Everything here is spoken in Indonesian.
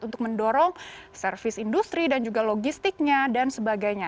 untuk mendorong servis industri dan juga logistiknya dan sebagainya